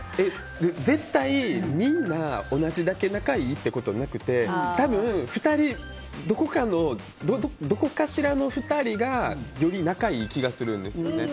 絶対みんな同じだけ仲がいいってことはなくて多分どこかしらの２人がより仲いい気がするんですよね。